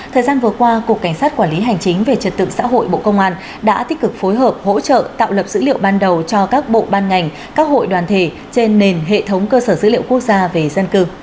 thời gian vừa qua cục cảnh sát quản lý hành chính về trật tự xã hội bộ công an đã tích cực phối hợp hỗ trợ tạo lập dữ liệu ban đầu cho các bộ ban ngành các hội đoàn thể trên nền hệ thống cơ sở dữ liệu quốc gia về dân cư